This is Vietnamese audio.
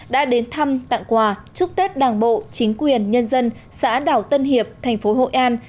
đã đến thăm tặng quà chúc tết đảng bộ chính quyền nhân dân xã đảo tân hiệp thành phố hội an